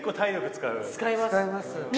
使います